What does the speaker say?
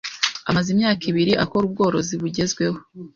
amaze imyaka ibiri akora ubworozi bugezweho